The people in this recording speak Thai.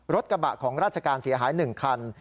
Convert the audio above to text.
รถกระบะของราชการเสียหาย๑คัน